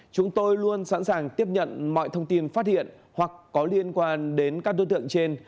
chúng tôi luôn sẵn sàng tiếp nhận mọi thông tin phát hiện hoặc có liên quan đến các đối tượng trên